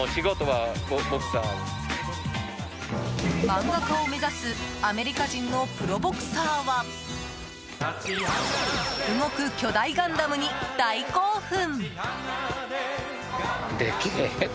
漫画家を目指すアメリカ人のプロボクサーは動く巨大ガンダムに大興奮！